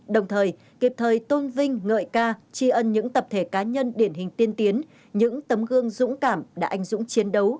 đồng thời kịp thời tôn vinh ngợi ca tri ân những tập thể cá nhân điển hình tiên tiến những tấm gương dũng cảm đã anh dũng chiến đấu